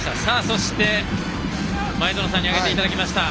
そして、前園さんに挙げていただきました。